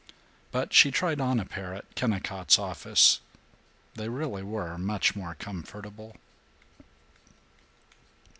But she tried on a pair at Kennicott's office. They really were much more comfortable.